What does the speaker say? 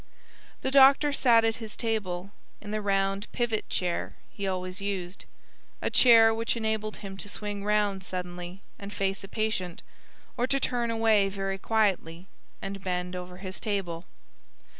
The doctor sat at his table, in the round pivot chair he always used, a chair which enabled him to swing round suddenly and face a patient, or to turn away very quietly and bend over his table.